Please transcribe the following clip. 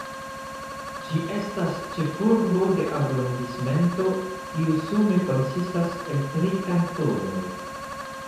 Ĝi estas ĉefurbo de arondismento, kiu sume konsistas el tri kantonoj.